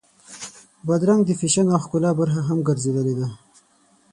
بادرنګ د فیشن او ښکلا برخه هم ګرځېدلې ده.